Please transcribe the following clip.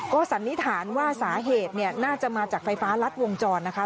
สันนิษฐานว่าสาเหตุเนี่ยน่าจะมาจากไฟฟ้ารัดวงจรนะคะ